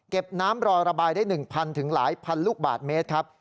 น้ำรอระบายได้๑๐๐หลายพันลูกบาทเมตรครับ